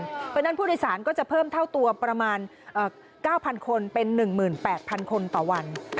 เพราะฉะนั้นผู้โดยสารก็จะเพิ่มเท่าตัวประมาณ๙๐๐คนเป็น๑๘๐๐คนต่อวัน